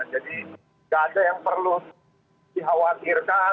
jadi tidak ada yang perlu dikhawatirkan